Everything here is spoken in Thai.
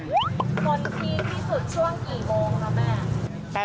คนพีคที่สุดช่วงกี่โมงคะแม่